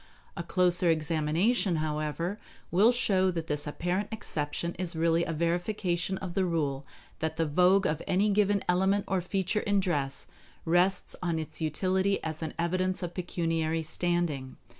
A closer examination, however, will show that this apparent exception is really a verification of the rule that the vogue of any given element or feature in dress rests on its utility as an evidence of pecuniary standing.